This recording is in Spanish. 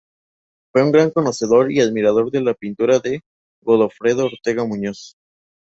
Fue un gran conocedor y admirador de la pintura de Godofredo Ortega Muñoz.